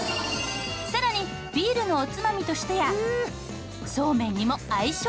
さらにビールのおつまみとしてやそうめんにも相性抜群！